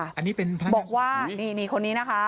อันนี้เป็นพระบอกว่านี่คนนี้นะคะ